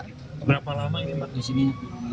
berapa lama ini mbak di sini